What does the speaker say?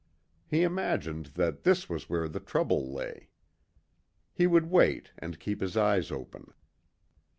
He imagined that this was where the trouble lay. He would wait and keep his eyes open.